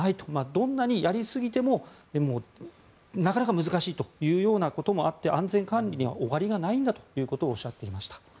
どんなにやりすぎても、なかなか難しいというようなこともあって安全管理には終わりがないんだとおっしゃっていました。